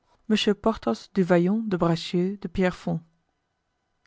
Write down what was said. Monsieur Porthos du Vallon de Bracieux de Pierrefonds.